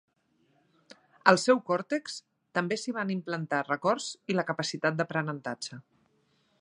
Al seu còrtex també s'hi van implantar records i la capacitat d'aprenentatge.